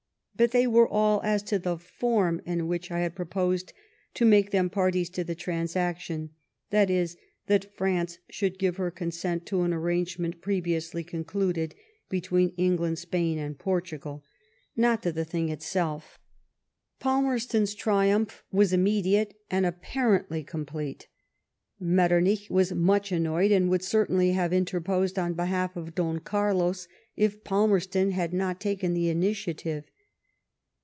But they were all as to the form in which I had proposed to make them parties to the transaction [i.e., that. France should give her consent to an arrangement previously con cluded between England, Spain, and Portugal], not to the thing itself. 68 LIFE OF VISCOUNT PALMEB8T0N. Palmerstoii's triumph was immediate and apparently complete. Metternich was much annoyed, and would certainly have interposed on behalf of Don Carlos if Palmerston had not taken the initiative.